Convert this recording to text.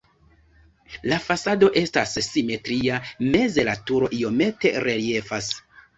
La fasado estas simetria, meze la turo iomete reliefas.